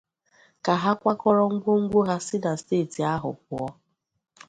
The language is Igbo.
ka ha kwakọrọ ngwongwo ha si na steeti ahụ pụọ.